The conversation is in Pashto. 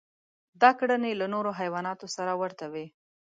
دا کړنې له نورو حیواناتو سره ورته وې.